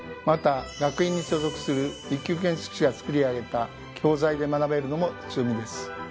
また学院に所属する一級建築士が作り上げた教材で学べるのも強みです。